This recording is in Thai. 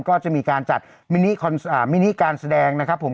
ก็จะมีการจัดมินิการแสดงนะครับผม